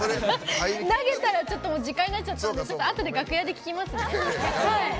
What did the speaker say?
投げたら時間になっちゃったんであとで楽屋で聞きますね。